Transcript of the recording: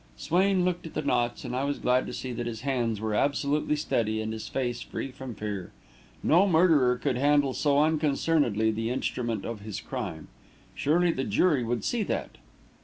Swain looked at the knots, and I was glad to see that his hands were absolutely steady and his face free from fear. No murderer could handle so unconcernedly the instrument of his crime! Surely the jury would see that!